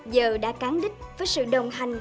giờ đã cán đích với sự đồng hành